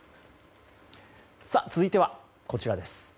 続いてはこちらです。